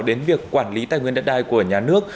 đến việc quản lý tài nguyên đất đai của nhà nước